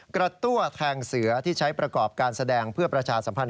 กระตั้วแทงเสือที่ใช้ประกอบการแสดงเพื่อประชาสัมพันธ